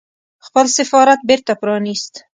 خپل سفارت بېرته پرانيست